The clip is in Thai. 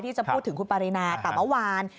จะพูดถึงคุณปรินาแต่เมื่อวาน